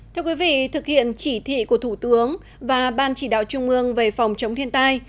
thưa quý vị thực hiện chỉ thị của thủ tướng và ban chỉ đạo trung ương về phòng chống thiên tai